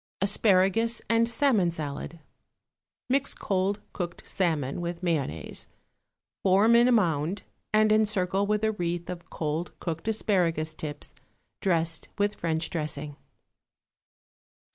=Asparagus and Salmon Salad.= Mix cold cooked salmon with mayonnaise, form in a mound and encircle with a wreath of cold cooked asparagus tips dressed with French dressing.